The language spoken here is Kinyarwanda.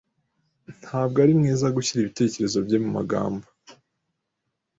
Ntabwo ari mwiza gushyira ibitekerezo bye mumagambo.